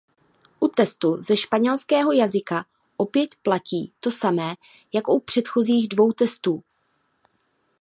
U testu ze španělského jazyka opět platí to samé jako u předchozích dvou testů.